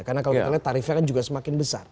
karena kalau tarifnya kan juga semakin besar